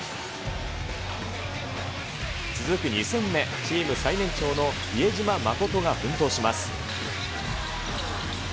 続く２戦目、チーム最年長の比江島慎が奮闘します。